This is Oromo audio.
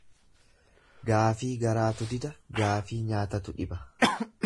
Gaafii garaatu dida gaafii nyaatatu dhiba.